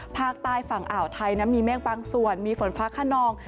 ภาคใต้ฝั่งอ่าวไทยมีเมฆบางส่วนมีฝนฟ้าขนอง